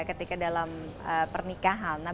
ketika dalam pernikahan nah